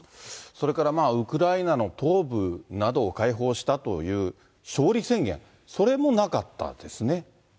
それからウクライナの東部などを解放したという勝利宣言、それもなかったですね。